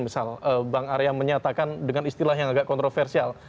misal bang arya menyatakan dengan istilah yang agak kontroversial